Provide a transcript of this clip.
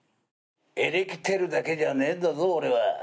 エレキテルだけじゃねえんだぞ俺は。